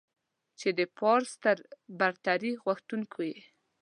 چې د پارس تر برتري غوښتونکو يې.